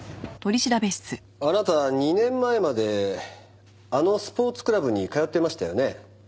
あなた２年前まであのスポーツクラブに通ってましたよね？